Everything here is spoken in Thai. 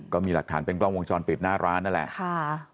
ก็มีหลักฐานเป็นกล้องวงจรปิดหน้าร้านนั่นแหละค่ะ